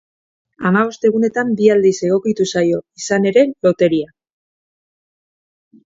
Hamabost egunetan bi aldiz egokitu zaio, izan ere, loteria.